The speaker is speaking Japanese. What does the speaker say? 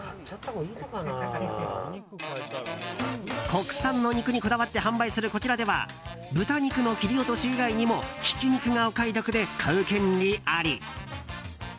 国産の肉にこだわって販売するこちらでは豚肉の切り落とし以外にもひき肉がお買い得で買う権利あり。